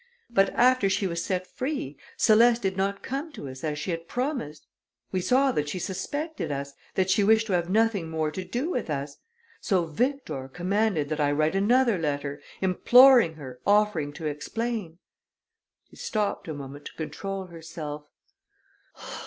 But after she was set free, Céleste did not come to us as she had promise'. We saw that she suspected us, that she wish' to have nothing more to do with us; so Victor commanded that I write another letter, imploring her, offering to explain." She stopped a moment to control herself.